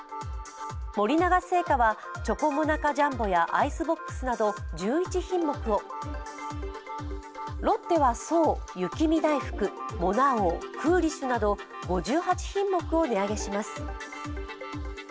森永製菓はチョコモナカジャンボやアイスボックスなど１１品目をロッテは爽、雪見だいふく、モナ王、クーリッシュなど５８品目を値上げします。